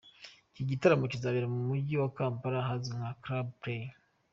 Iki gitaramo kizabera mu mujyi wa Kampala ahazwi nka Club Play.